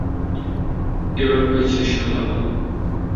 এবার হয়েছে, শালা আবাল!